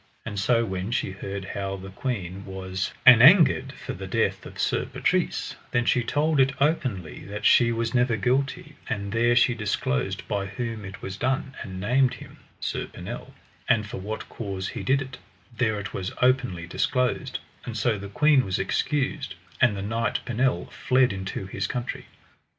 And so when she heard how the queen was an angered for the death of Sir Patrise, then she told it openly that she was never guilty; and there she disclosed by whom it was done, and named him, Sir Pinel; and for what cause he did it, there it was openly disclosed; and so the queen was excused, and the knight Pinel fled into his country.